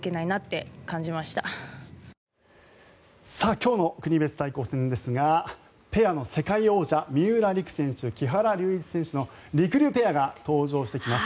今日の国別対抗戦ですがペアの世界王者三浦璃来選手と木原龍一選手のりくりゅうペアが登場してきます。